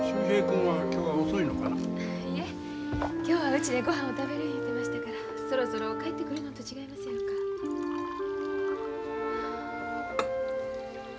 いえ今日はうちでごはんを食べる言うてましたからそろそろ帰ってくるのんと違いますやろか。